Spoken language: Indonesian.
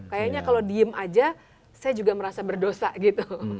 kayaknya kalau diem aja saya juga merasa berdosa gitu